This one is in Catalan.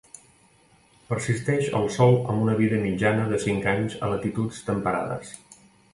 Persisteix al sòl amb una vida mitjana de cinc anys a latituds temperades.